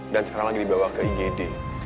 dan sekarang lagi dibawa ke igd